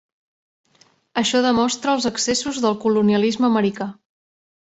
Això demostra els excessos del colonialisme americà.